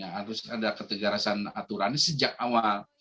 harus ada ketegasan aturannya sejak awal